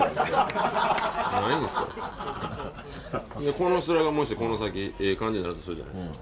この人らがこの先ええ感じになるとするじゃないですか。